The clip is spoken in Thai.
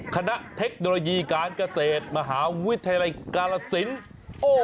คณะเทคโนโลยีการเกษตรมหาวิทยาลัยกรรศิลป์